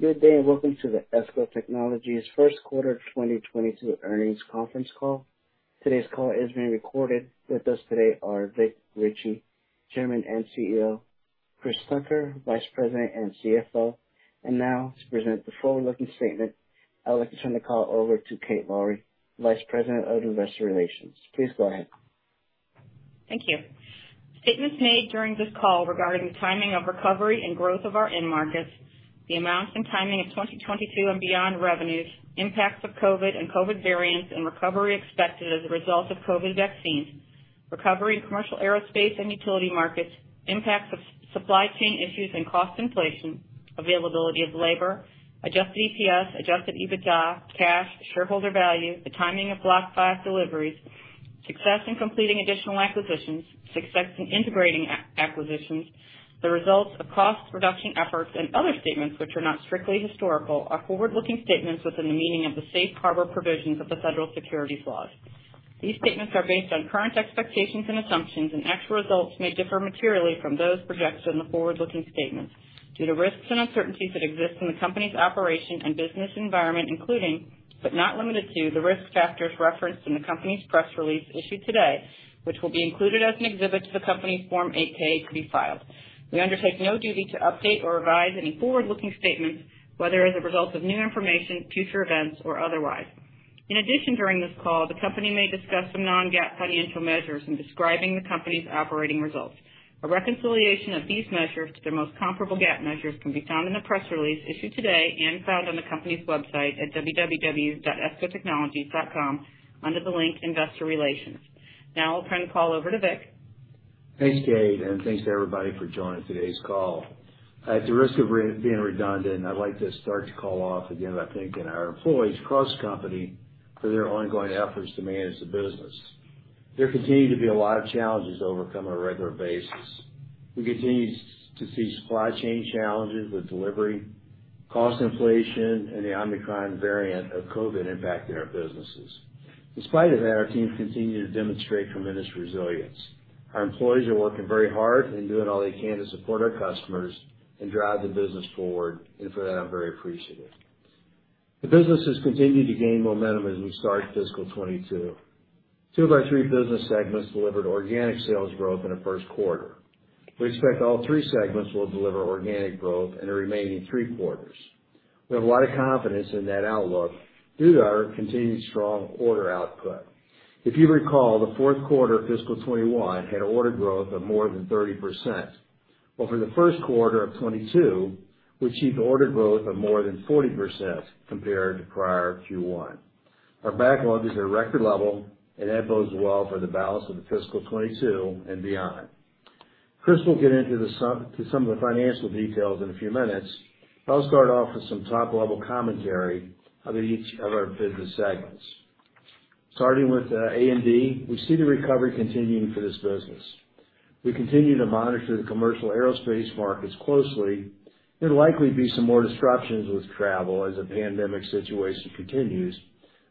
Good day, and welcome to the ESCO Technologies Q1 2022 earnings conference call. Today's call is being recorded. With us today are Vic Richey, Chairman and CEO, Chris Tucker, Vice President and CFO. Now to present the forward-looking statement, I would like to turn the call over to Kate Lowrey, Vice President of Investor Relations. Please go ahead. Thank you. Statements made during this call regarding the timing of recovery and growth of our end markets, the amount and timing of 2022 and beyond revenues, impacts of COVID and COVID variants, and recovery expected as a result of COVID vaccines, recovery in commercial aerospace and utility markets, impacts of supply chain issues and cost inflation, availability of labor, Adjusted EPS, Adjusted EBITDA, cash, shareholder value, the timing of Block 5 deliveries, success in completing additional acquisitions, success in integrating acquisitions, the results of cost reduction efforts, and other statements which are not strictly historical are forward-looking statements within the meaning of the safe harbor provisions of the federal securities laws. These statements are based on current expectations and assumptions, and actual results may differ materially from those projected in the forward-looking statements due to risks and uncertainties that exist in the company's operation and business environment, including, but not limited to, the risk factors referenced in the company's press release issued today, which will be included as an exhibit to the company's Form 8-K to be filed. We undertake no duty to update or revise any forward-looking statements, whether as a result of new information, future events, or otherwise. In addition, during this call, the company may discuss some non-GAAP financial measures in describing the company's operating results. A reconciliation of these measures to their most comparable GAAP measures can be found in the press release issued today and found on the company's website at www.escotechnologies.com under the link Investor Relations. Now I'll turn the call over to Vic. Thanks, Kate, and thanks to everybody for joining today's call. At the risk of repeating being redundant, I'd like to start the call off again by thanking our employees across the company for their ongoing efforts to manage the business. There continue to be a lot of challenges to overcome on a regular basis. We continue to see supply chain challenges with delivery, cost inflation, and the Omicron variant of COVID impacting our businesses. Despite that, our teams continue to demonstrate tremendous resilience. Our employees are working very hard and doing all they can to support our customers and drive the business forward, and for that, I'm very appreciative. The business has continued to gain momentum as we start fiscal 2022. Two of our three business segments delivered organic sales growth in the Q1. We expect all three segments will deliver organic growth in the remaining three quarters. We have a lot of confidence in that outlook due to our continued strong order output. If you recall, the Q4 of fiscal 2021 had order growth of more than 30%. Well, for the Q1 2022, we achieved order growth of more than 40% compared to prior Q1. Our backlog is at a record level, and that bodes well for the balance of the fiscal 2022 and beyond. Chris will get into some of the financial details in a few minutes. I'll start off with some top-level commentary of each of our business segments. Starting with A&D, we see the recovery continuing for this business. We continue to monitor the commercial aerospace markets closely. There'll likely be some more disruptions with travel as the pandemic situation continues.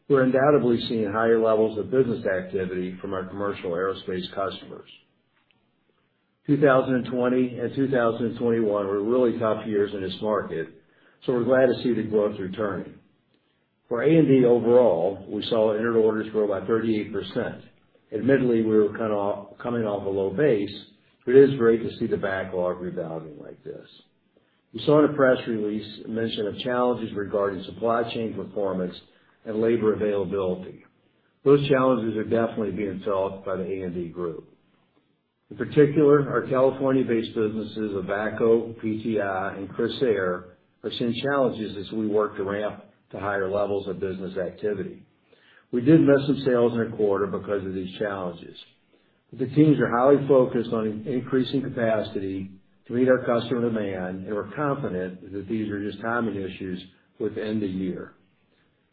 We're undoubtedly seeing higher levels of business activity from our commercial aerospace customers. 2020 and 2021 were really tough years in this market, so we're glad to see the growth returning. For A&D overall, we saw entered orders grow by 38%. Admittedly, we were kinda off, coming off a low base, but it is great to see the backlog rebounding like this. You saw in the press release a mention of challenges regarding supply chain performance and labor availability. Those challenges are definitely being felt by the A&D group. In particular, our California-based businesses of VACCO, PTI, and Crissair have seen challenges as we work to ramp to higher levels of business activity. We did miss some sales in the quarter because of these challenges, but the teams are highly focused on increasing capacity to meet our customer demand, and we're confident that these are just timing issues within the year.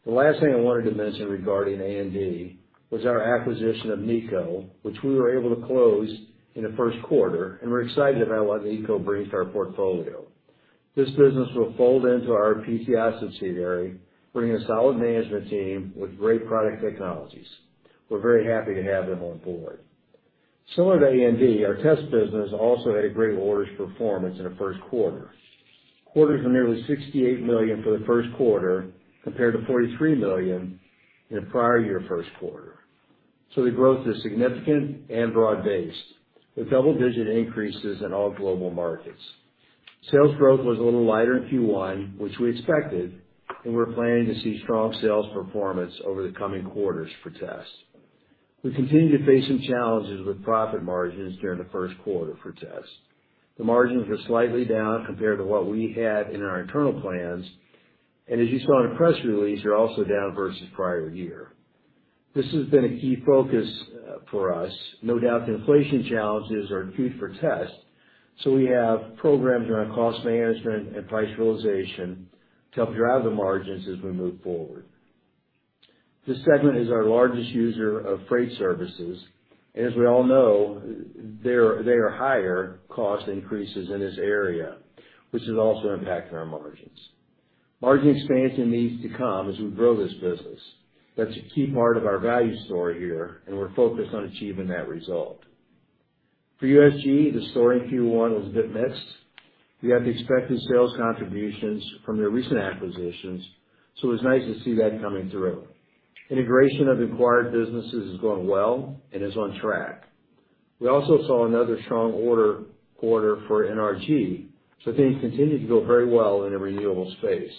The last thing I wanted to mention regarding A&D was our acquisition of Nico, which we were able to close in the first quarter, and we're excited about what Nico brings to our portfolio. This business will fold into our PTI subsidiary, bringing a solid management team with great product technologies. We're very happy to have them on board. Similar to A&D, our test business also had a great orders performance in the Q1. Orders were nearly $68 million for the Q1 compared to $43 million in the prior year Q1. The growth is significant and broad-based, with double-digit increases in all global markets. Sales growth was a little lighter in Q1, which we expected, and we're planning to see strong sales performance over the coming quarters for tests. We continued to face some challenges with profit margins during the Q1 for tests. The margins are slightly down compared to what we had in our internal plans, and as you saw in the press release, they're also down versus prior year. This has been a key focus for us. No doubt the inflation challenges are acute for tests, so we have programs around cost management and price realization to help drive the margins as we move forward. This segment is our largest user of freight services, and as we all know, there are higher cost increases in this area, which is also impacting our margins. Margin expansion needs to come as we grow this business. That's a key part of our value story here, and we're focused on achieving that result. For USG, the story in Q1 was a bit mixed. We had the expected sales contributions from their recent acquisitions, so it was nice to see that coming through. Integration of acquired businesses is going well and is on track. We also saw another strong order quarter for NRG, so things continue to go very well in the renewables space.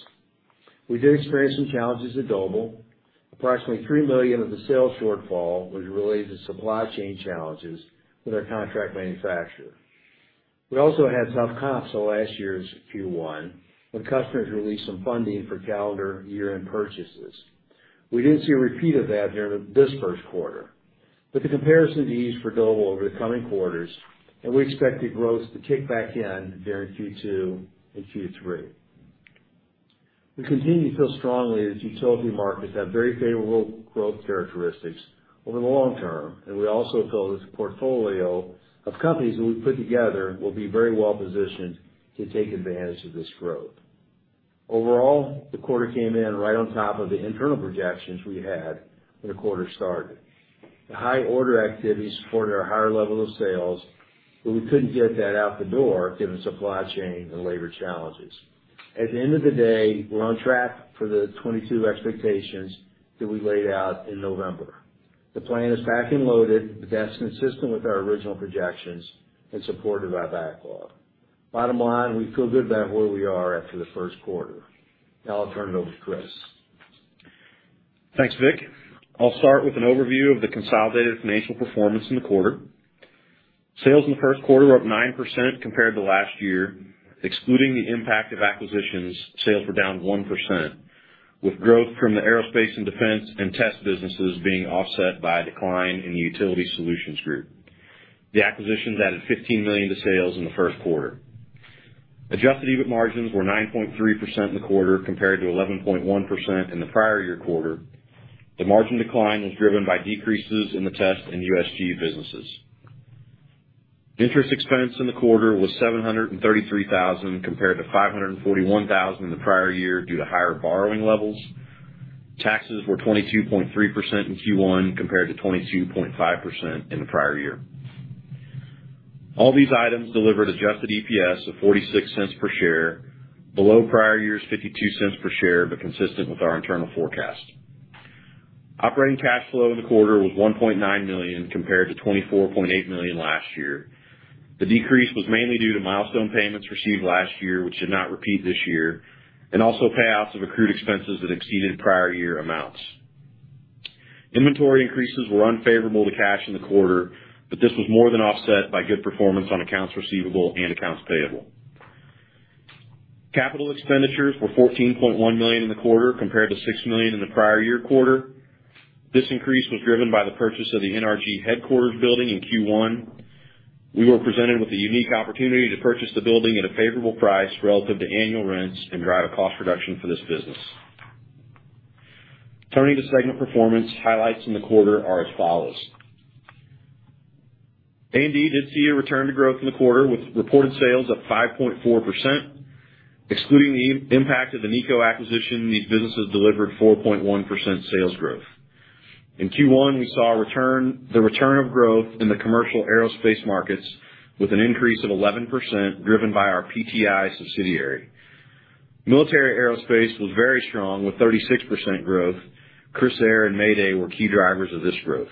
We did experience some challenges at Doble. Approximately $3 million of the sales shortfall was related to supply chain challenges with our contract manufacturer. We also had tough comps to last year's Q1 when customers released some funding for calendar year-end purchases. We didn't see a repeat of that during this Q1. The comparison ease for Doble over the coming quarters, and we expect the growth to kick back in during Q2 and Q3. We continue to feel strongly that utility markets have very favorable growth characteristics over the long-term, and we also feel this portfolio of companies that we've put together will be very well-positioned to take advantage of this growth. Overall, the quarter came in right on top of the internal projections we had when the quarter started. The high order activity supported our higher level of sales, but we couldn't get that out the door given supply chain and labor challenges. At the end of the day, we're on track for the 2022 expectations that we laid out in November. The plan is packed and loaded, but that's consistent with our original projections and supported by backlog. Bottom line, we feel good about where we are after the Q1. Now I'll turn it over to Chris. Thanks, Vic. I'll start with an overview of the consolidated financial performance in the quarter. Sales in the Q1 were up 9% compared to last year. Excluding the impact of acquisitions, sales were down 1%, with growth from the aerospace and defense and test businesses being offset by a decline in the utility solutions group. The acquisitions added $15 million to sales in the Q1. Adjusted EBIT margins were 9.3% in the quarter compared to 11.1% in the prior year quarter. The margin decline was driven by decreases in the test and USG businesses. Interest expense in the quarter was $733,000 compared to $541,000 in the prior year due to higher borrowing levels. Taxes were 22.3% in Q1 compared to 22.5% in the prior year. All these items delivered Adjusted EPS of $0.46 per share, below prior year's $0.52 per share, but consistent with our internal forecast. Operating cash flow in the quarter was $1.9 million compared to $24.8 million last year. The decrease was mainly due to milestone payments received last year, which did not repeat this year, and also payoffs of accrued expenses that exceeded prior year amounts. Inventory increases were unfavorable to cash in the quarter, but this was more than offset by good performance on accounts receivable and accounts payable. Capital expenditures were $14.1 million in the quarter compared to $6 million in the prior year quarter. This increase was driven by the purchase of the NRG headquarters building in Q1. We were presented with a unique opportunity to purchase the building at a favorable price relative to annual rents and drive a cost reduction for this business. Turning to segment performance, highlights in the quarter are as follows. A&D did see a return to growth in the quarter with reported sales of 5.4%. Excluding the impact of the Nico acquisition, these businesses delivered 4.1% sales growth. In Q1, we saw the return of growth in the commercial aerospace markets with an increase of 11% driven by our PTI subsidiary. Military aerospace was very strong with 36% growth. Crissair and Mayday were key drivers of this growth.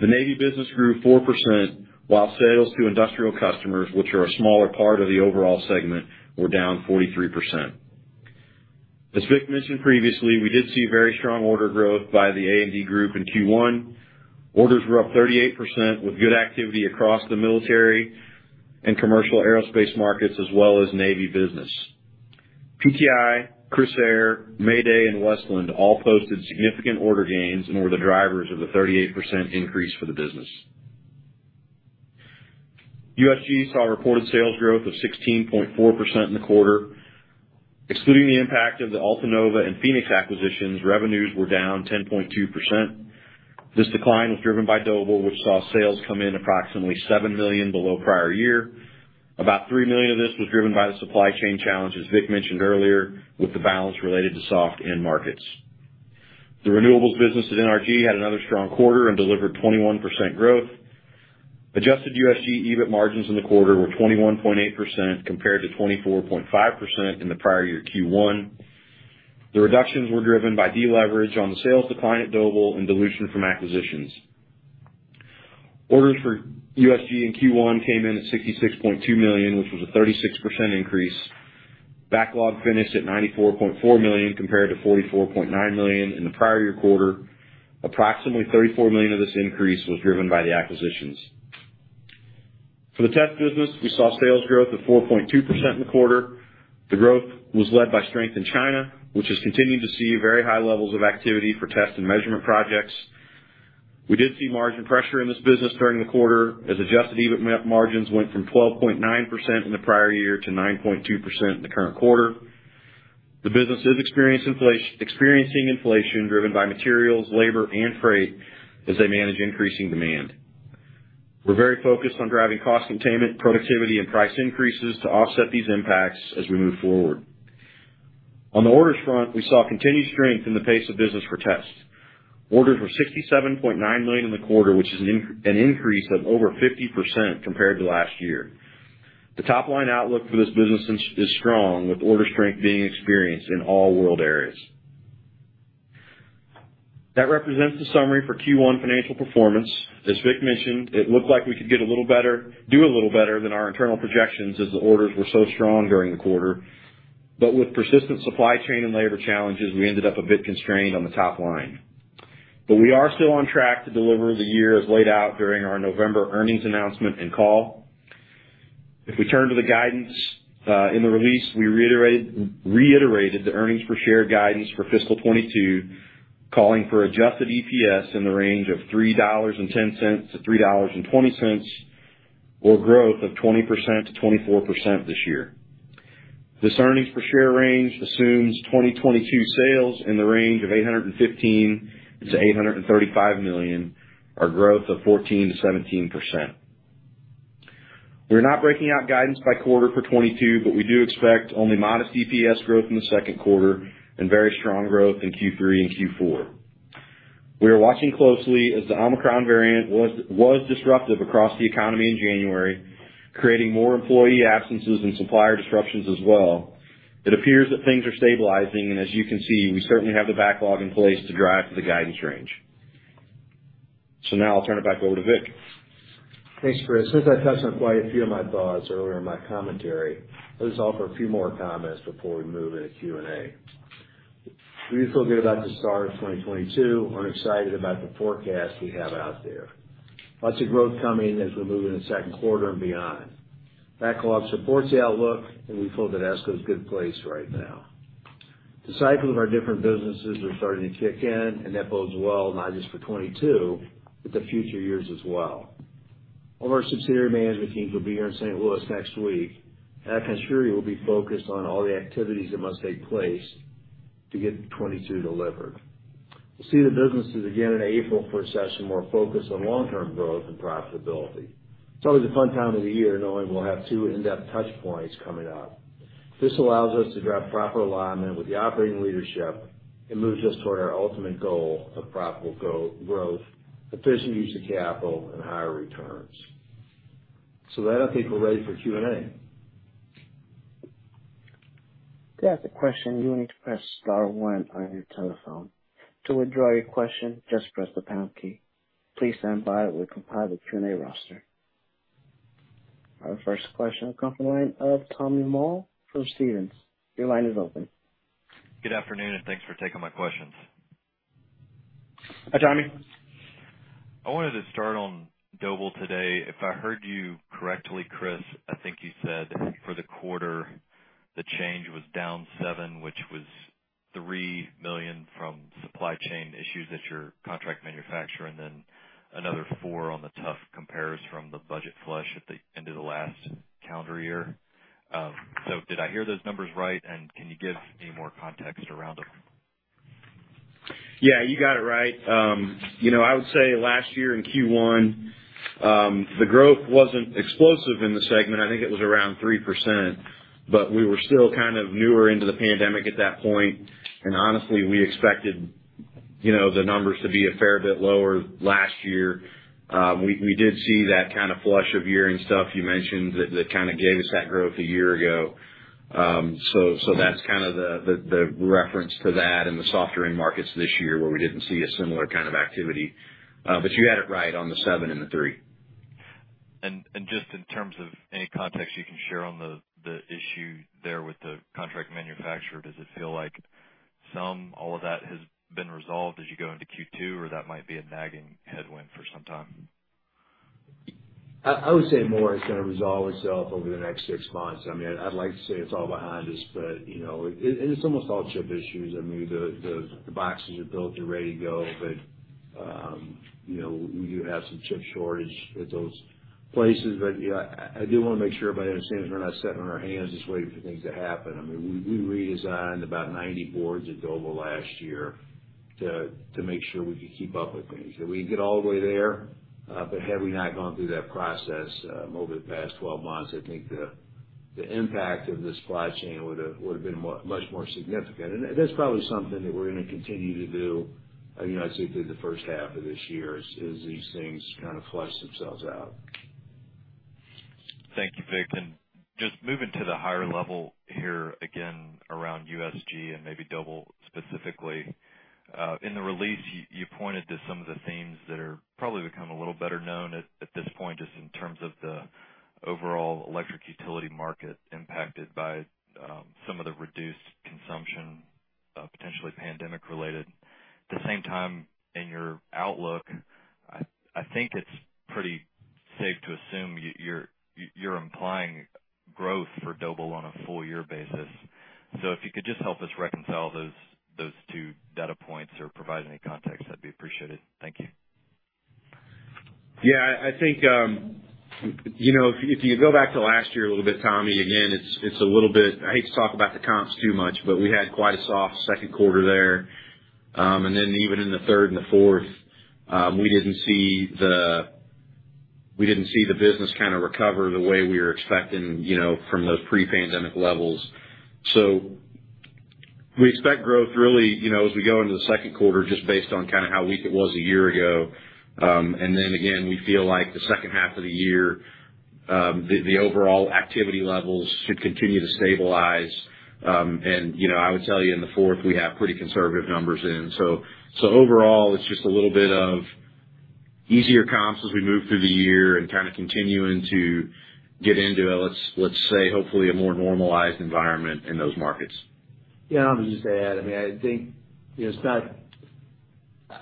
The Navy business grew 4%, while sales to industrial customers, which are a smaller part of the overall segment, were down 43%. As Vic mentioned previously, we did see very strong order growth by the A&D group in Q1. Orders were up 38% with good activity across the military and commercial aerospace markets, as well as Navy business. PTI, Crissair, Mayday, and Westland all posted significant order gains and were the drivers of the 38% increase for the business. USG saw reported sales growth of 16.4% in the quarter. Excluding the impact of the Altanova and Phenix acquisitions, revenues were down 10.2%. This decline was driven by Doble, which saw sales come in approximately $7 million below prior year. About $3 million of this was driven by the supply chain challenges Vic mentioned earlier, with the balance related to soft end markets. The renewables business at NRG had another strong quarter and delivered 21% growth. Adjusted USG EBIT margins in the quarter were 21.8% compared to 24.5% in the prior year Q1. The reductions were driven by deleverage on the sales decline at Doble and dilution from acquisitions. Orders for USG in Q1 came in at $66.2 million, which was a 36% increase. Backlog finished at $94.4 million compared to $44.9 million in the prior year quarter. Approximately $34 million of this increase was driven by the acquisitions. For the test business, we saw sales growth of 4.2% in the quarter. The growth was led by strength in China, which is continuing to see very high levels of activity for test and measurement projects. We did see margin pressure in this business during the quarter as Adjusted EBIT margins went from 12.9% in the prior year to 9.2% in the current quarter. The business is experiencing inflation driven by materials, labor, and freight as they manage increasing demand. We're very focused on driving cost containment, productivity, and price increases to offset these impacts as we move forward. On the orders front, we saw continued strength in the pace of business for tests. Orders were $67.9 million in the quarter, which is an increase of over 50% compared to last year. The top line outlook for this business is strong with order strength being experienced in all world areas. That represents the summary for Q1 financial performance. As Vic mentioned, it looked like we could get a little better, do a little better than our internal projections as the orders were so strong during the quarter. With persistent supply chain and labor challenges, we ended up a bit constrained on the top line. We are still on track to deliver the year as laid out during our November earnings announcement and call. If we turn to the guidance, in the release, we reiterated the earnings per share guidance for fiscal 2022 calling for adjusted EPS in the range of $3.10-$3.20 or growth of 20%-24% this year. This earnings per share range assumes 2022 sales in the range of $815 million-$835 million, or growth of 14%-17%. We're not breaking out guidance by quarter for 2022, but we do expect only modest EPS growth in the Q2and very strong growth in Q3 and Q4. We are watching closely as the Omicron variant was disruptive across the economy in January, creating more employee absences and supplier disruptions as well. It appears that things are stabilizing, and as you can see, we certainly have the backlog in place to drive to the guidance range. Now I'll turn it back over to Vic. Thanks, Chris. Since I touched on quite a few of my thoughts earlier in my commentary, I'll just offer a few more comments before we move into Q&A. We just feel good about the start of 2022 and excited about the forecast we have out there. Lots of growth coming as we move in the Q2 and beyond. Backlog supports the outlook, and we feel that ESCO is in a good place right now. The cycles of our different businesses are starting to kick in, and that bodes well not just for 2022, but the future years as well. All of our subsidiary management teams will be here in St. Louis next week, and I can assure you we'll be focused on all the activities that must take place to get 2022 delivered. We'll see the businesses again in April for a session more focused on long-term growth and profitability. It's always a fun time of the year knowing we'll have two in-depth touch points coming up. This allows us to drive proper alignment with the operating leadership and moves us toward our ultimate goal of profitable go-growth, efficient use of capital, and higher returns. With that, I think we're ready for Q&A. To ask a question, you will need to press star one on your telephone. To withdraw your question, just press the pound key. Please stand by while we compile the Q&A roster. Our first question will come from the line of Tommy Moll from Stephens. Your line is open. Good afternoon, and thanks for taking my questions. Hi, Tommy. I wanted to start on Doble today. If I heard you correctly, Chris, I think you said for the quarter, the change was down 7%, which was $3 million from supply chain issues at your contract manufacturer, and then another 4% on the tough compares from the budget flush at the end of the last calendar year. Did I hear those numbers right? Can you give any more context around them? Yeah, you got it right. You know, I would say last year in Q1, the growth wasn't explosive in the segment. I think it was around 3%, but we were still kind of newer into the pandemic at that point. Honestly, we expected, you know, the numbers to be a fair bit lower last year. We did see that kind of flush of year-end stuff you mentioned that kind of gave us that growth a year ago. So that's kind of the reference to that in the softer end markets this year, where we didn't see a similar kind of activity. You had it right on the 7 and the 3. Just in terms of any context you can share on the issue there with the contract manufacturer, does it feel like some all of that has been resolved as you go into Q2 or that might be a nagging headwind for some time? I would say more it's gonna resolve itself over the next 6 months. I mean, I'd like to say it's all behind us, but you know. It's almost all chip issues. I mean, the boxes are built and ready to go. You know, we do have some chip shortage at those places. Yeah, I do want to make sure everybody understands we're not sitting on our hands just waiting for things to happen. I mean, we redesigned about 90 boards at Doble last year to make sure we could keep up with things. Did we get all the way there? Had we not gone through that process over the past 12 months, I think the impact of the supply chain would have been much more significant. That's probably something that we're gonna continue to do, you know, as we get through the first half of this year, as these things kind of flesh themselves out. Thank you, Vic. Just moving to the higher level here again around USG and maybe Doble specifically. In the release, you pointed to some of the themes that are probably become a little better known at this point, just in terms of the overall electric utility market impacted by some of the reduced consumption, potentially pandemic related. At the same time, in your outlook, I think it's pretty safe to assume you're implying growth for Doble on a full-year basis. If you could just help us reconcile those two data points or provide any context, that'd be appreciated. Thank you. Yeah, I think, you know, if you go back to last year a little bit, Tommy, again, it's a little bit. I hate to talk about the comps too much, but we had quite a soft Q2 there. And then even in the third and the fourth, we didn't see the business kind of recover the way we were expecting, you know, from those pre-pandemic levels. We expect growth really, you know, as we go into the Q2, just based on kind of how weak it was a year ago. And then again, we feel like the second half of the year, the overall activity levels should continue to stabilize. You know, I would tell you in the fourth, we have pretty conservative numbers in. Overall, it's just a little bit of easier comps as we move through the year and kind of continuing to get into, let's say, hopefully a more normalized environment in those markets. Yeah. I'll just add, I mean, I think, you know, Scott,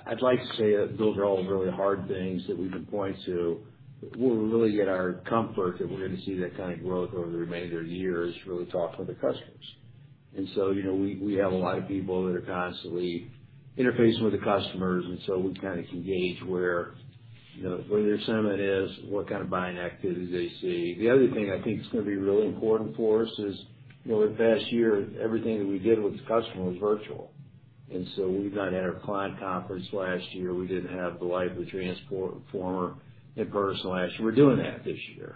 I'd like to say that those are all really hard things that we can point to. Where we really get our comfort that we're going to see that kind of growth over the remainder of the year is really talking with the customers. You know, we have a lot of people that are constantly interfacing with the customers, and so we kind of can gauge where, you know, where their sentiment is, what kind of buying activity they see. The other thing I think is gonna be really important for us is, you know, over the past year, everything that we did with the customer was virtual. We've not had our client conference last year. We didn't have the Life of a Transformer in person last year. We're doing that this year.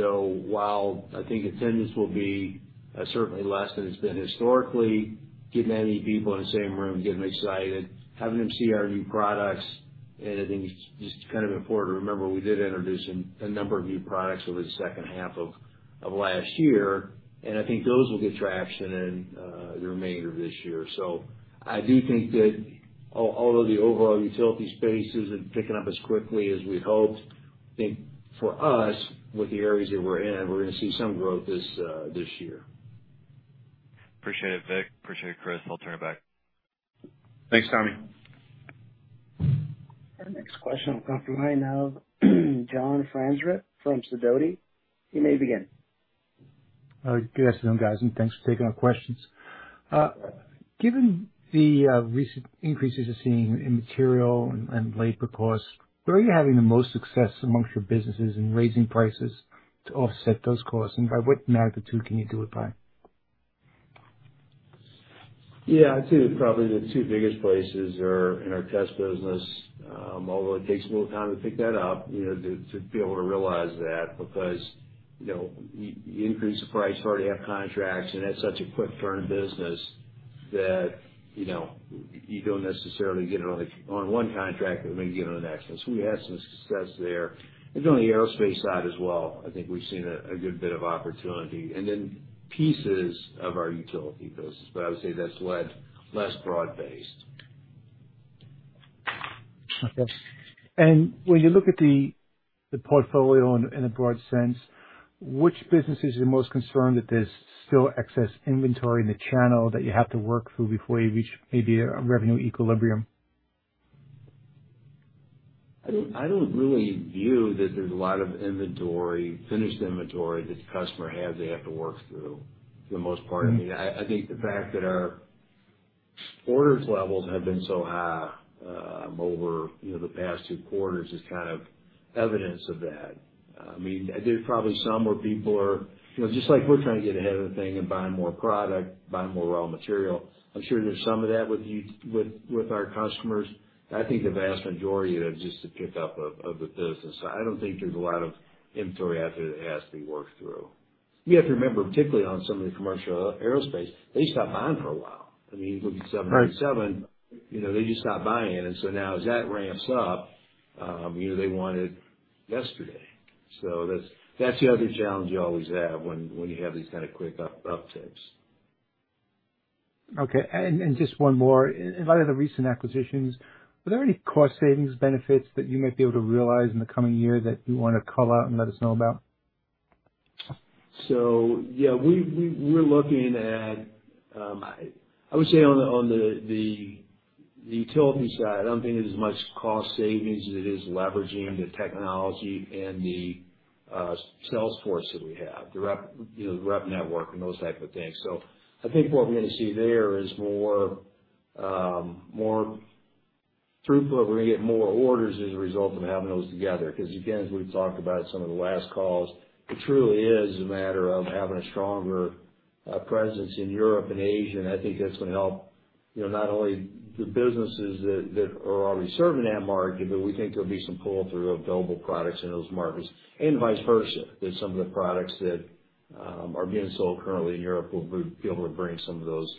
While I think attendance will be certainly less than it's been historically, getting that many people in the same room, getting them excited, having them see our new products. I think it's just kind of important to remember we did introduce a number of new products over the second half of last year, and I think those will get traction in the remainder of this year. I do think that although the overall utility space isn't picking up as quickly as we'd hoped, I think for us, with the areas that we're in, we're gonna see some growth this year. Appreciate it, Vic. Appreciate it, Chris. I'll turn it back. Thanks, Tommy. Our next question will come from the line of John Franzreb from Sidoti. You may begin. Good afternoon, guys, and thanks for taking our questions. Given the recent increases you're seeing in material and labor costs, where are you having the most success amongst your businesses in raising prices to offset those costs, and by what magnitude can you do it by? Yeah. I'd say probably the two biggest places are in our test business, although it takes a little time to pick that up, you know, to be able to realize that because, you know, you increase the price, you already have contracts, and that's such a quick turn business that, you know, you don't necessarily get it on one contract, but maybe you get it on the next one. So we had some success there. And on the aerospace side as well, I think we've seen a good bit of opportunity. And then pieces of our utility business, but I would say that's less broad based. Okay. When you look at the portfolio in a broad sense, which businesses are you most concerned that there's still excess inventory in the channel that you have to work through before you reach maybe a revenue equilibrium? I don't really view that there's a lot of inventory, finished inventory that the customer has, they have to work through for the most part. I mean, I think the fact that our orders levels have been so high, over, you know, the past two quarters is kind of evidence of that. I mean, there's probably somewhere people are, you know, just like we're trying to get ahead of the thing and buy more product, buy more raw material. I'm sure there's some of that with our customers. I think the vast majority of it is just the pick up of the business. I don't think there's a lot of inventory out there that has to be worked through. You have to remember, particularly on some of the commercial aerospace, they stopped buying for a while. I mean, you look at the 707, you know, they just stopped buying. Now as that ramps up, you know, they want it yesterday. That's the other challenge you always have when you have these kind of quick upticks. Okay. Just one more. In light of the recent acquisitions, were there any cost savings benefits that you might be able to realize in the coming year that you wanna call out and let us know about? Yeah, we're looking at the utilities side. I would say I don't think it is much cost savings as it is leveraging the technology and the sales force that we have, the rep, you know, the rep network and those type of things. I think what we're gonna see there is more throughput. We're gonna get more orders as a result of having those together. 'Cause again, as we've talked about in some of the last calls, it truly is a matter of having a stronger presence in Europe and Asia, and I think that's gonna help, not only the businesses that are already serving that market, but we think there'll be some pull through of Doble products in those markets and vice versa, that some of the products that are being sold currently in Europe, we'll be able to bring some of those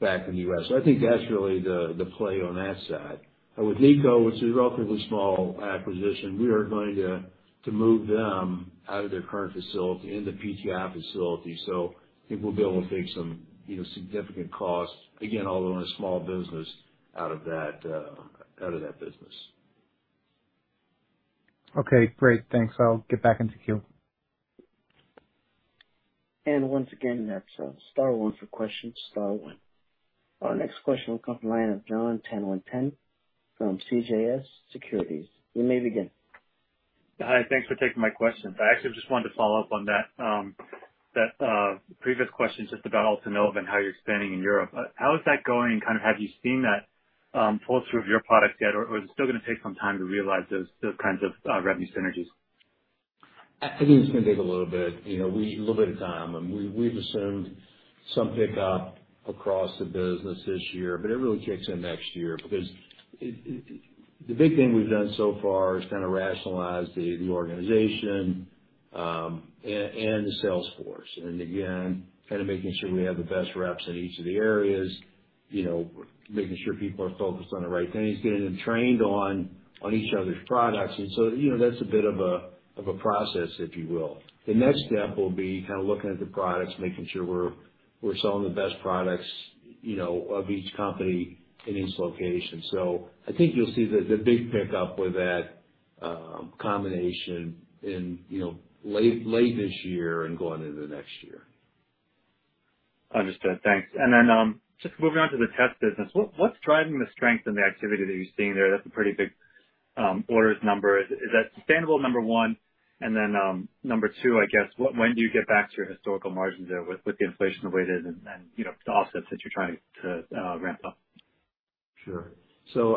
back in the U.S. I think that's really the play on that side. With Nico, which is a relatively small acquisition, we are going to move them out of their current facility in the PTI facility. I think we'll be able to take some, you know, significant costs, again, although in a small business, out of that business. Okay, great. Thanks. I'll get back into queue. Once again, that's star one for questions, star one. Our next question will come from the line of Jon Tanwanteng from CJS Securities. You may begin. Hi. Thanks for taking my question. I actually just wanted to follow up on that previous question just about Altanova and how you're expanding in Europe. How is that going, and kind of have you seen that pull through of your products yet, or is it still gonna take some time to realize those kinds of revenue synergies? I think it's gonna take a little bit, you know, a little bit of time, and we've assumed some pickup across the business this year, but it really kicks in next year because it. The big thing we've done so far is kinda rationalize the organization, and the sales force, and again, kinda making sure we have the best reps in each of the areas, you know, making sure people are focused on the right things, getting them trained on each other's products. You know, that's a bit of a process, if you will. The next step will be kinda looking at the products, making sure we're selling the best products, you know, of each company in each location. I think you'll see the big pickup with that combination in, you know, late this year and going into the next year. Understood. Thanks. Just moving on to the test business. What's driving the strength in the activity that you're seeing there? That's a pretty big orders number. Is that sustainable, number one? Number two, I guess, when do you get back to your historical margins there with the inflation weighted and you know, the offsets that you're trying to ramp up? Sure.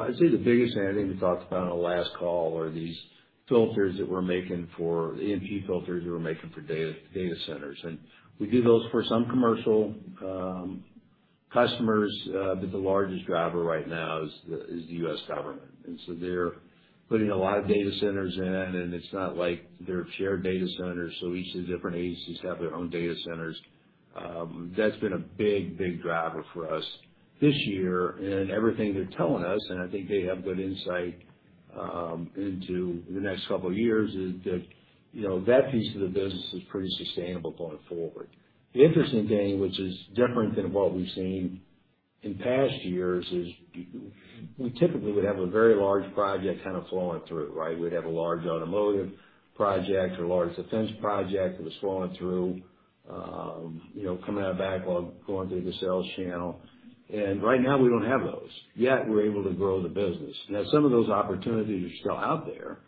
I'd say the biggest thing, I think we talked about on the last call, are these EMP filters that we're making for data centers. We do those for some commercial customers, but the largest driver right now is the U.S. government. They're putting a lot of data centers in, and it's not like they're shared data centers, so each of the different agencies have their own data centers. That's been a big driver for us this year. Everything they're telling us, and I think they have good insight into the next couple of years, is that, you know, that piece of the business is pretty sustainable going forward. The interesting thing, which is different than what we've seen in past years, is we typically would have a very large project kind of flowing through, right? We'd have a large automotive project or large defense project that was flowing through, you know, coming out of backlog, going through the sales channel. Right now we don't have those. Yet, we're able to grow the business. Now, some of those opportunities are still out there,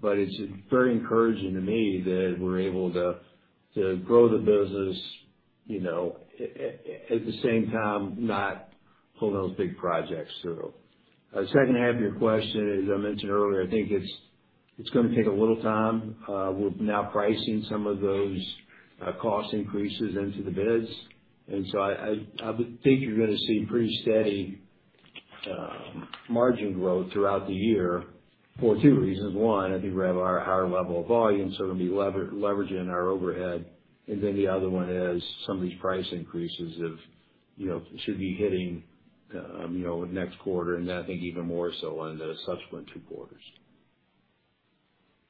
but it's very encouraging to me that we're able to grow the business, you know, at the same time not pull those big projects through. Second half of your question, as I mentioned earlier, I think it's gonna take a little time. We're now pricing some of those cost increases into the bids. I would think you're gonna see pretty steady margin growth throughout the year for two reasons. One, I think we have a higher level of volume, so it'll be leveraging our overhead. The other one is some of these price increases, you know, should be hitting, you know, next quarter, and then I think even more so on the subsequent two quarters.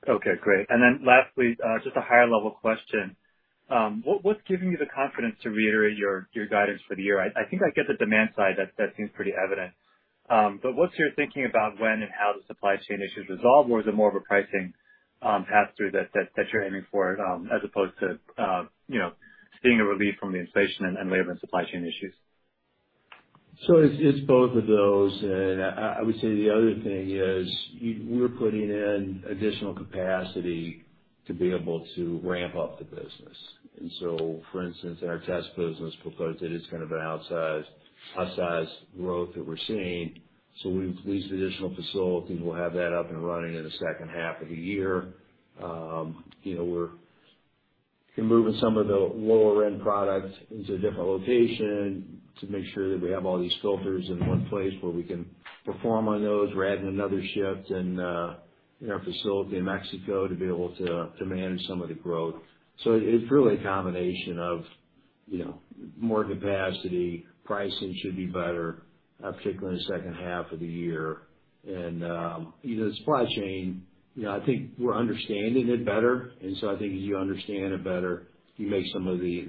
Okay. Great. Then lastly, just a higher level question. What's giving you the confidence to reiterate your guidance for the year? I think I get the demand side. That seems pretty evident. What's your thinking about when and how the supply chain issues resolve? Or is it more of a pricing pass through that you're aiming for, as opposed to, you know, seeing a relief from the inflation and labor and supply chain issues? It's both of those. I would say the other thing is we're putting in additional capacity to be able to ramp up the business. For instance, in our test business, because it is kind of an outsized growth that we're seeing, we've leased additional facilities. We'll have that up and running in the second half of the year. You know, we're moving some of the lower end products into a different location to make sure that we have all these filters in one place where we can perform on those. We're adding another shift in our facility in Mexico to be able to manage some of the growth. It's really a combination of, you know, more capacity. Pricing should be better, particularly in the second half of the year. You know, the supply chain, you know, I think we're understanding it better. I think as you understand it better, you make some of the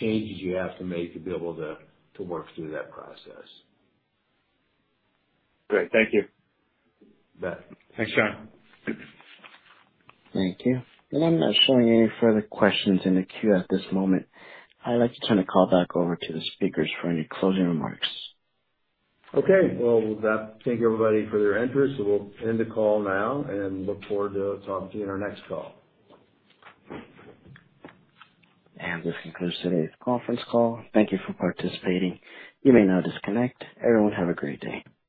changes you have to make to be able to work through that process. Great. Thank you. You bet. Thanks, John. Thank you. I'm not showing any further questions in the queue at this moment. I'd like to turn the call back over to the speakers for any closing remarks. Okay. Well, with that, thank you everybody for their interest. We'll end the call now and look forward to talking to you in our next call. This concludes today's conference call. Thank you for participating. You may now disconnect. Everyone, have a great day.